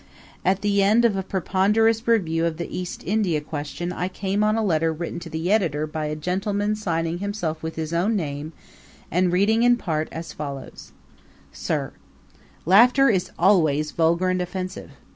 At the end of a ponderous review of the East Indian question I came on a letter written to the editor by a gentleman signing himself with his own name, and reading in part as follows: SIR: Laughter is always vulgar and offensive.